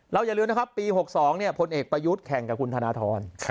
เราอย่าลืมนะครับปี๖๒เนี่ยพลเอกปะยุฤแข่งกับคุณธนธรณ์